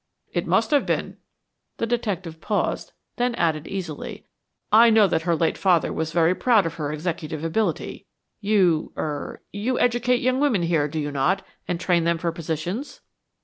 "It must have been." The detective paused, then added easily, "I know that her late father was very proud of her executive ability. You er you educate young women here, do you not, and train them for positions?"